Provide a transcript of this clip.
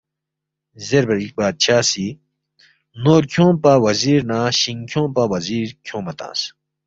زیربا چِک بادشاہ سی نور کھیونگ پا وزیر نہ شِنگ کھیونگ پا وزیر کھیونگما تنگس